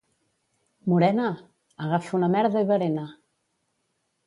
—Morena! —Agafa una merda i berena!